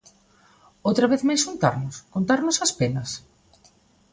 Outra vez máis xuntarnos, contarnos as penas?